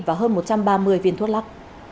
và hơn một trăm ba mươi viên thuốc lắc